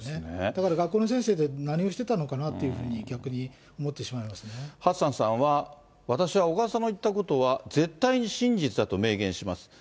だから学校の先生は、何をしてたのかなと、逆に思ってしまいますハッサンさんは、私は小川さんの言ったことは、絶対に真実だと明言します。